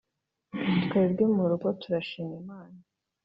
twebwe murugo turashima imana